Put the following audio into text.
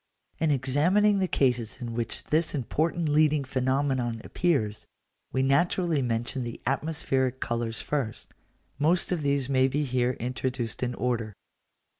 In examining the cases in which this important leading phenomenon appears, we naturally mention the atmospheric colours first: most of these may be here introduced in order.